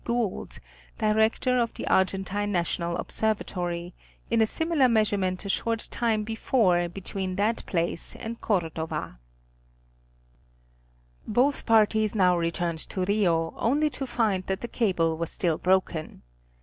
Gould, Director of the Argentine National Observatory, in a similar measurement a short time before between that place and Cordova. Telegraphic Determinations of Longitude. 1M Both parties now returned to Rio, only to find that the cable was still broken.